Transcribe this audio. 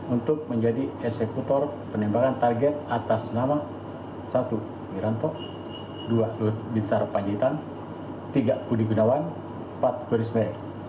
untuk menjadi eksekutor penembakan target atas nama satu wiranto dua lodbitsar panjitan tiga udi gunawan empat berisme